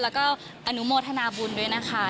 แล้วก็อนุโมทนาบุญด้วยนะคะ